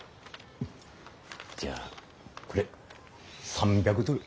じゃあこれ３００ドル。